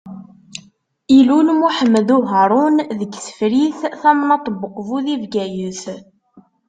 Ilul Muḥemmed Uharun deg Tefrit, tamnaḍt n Uqbu di Bgayet.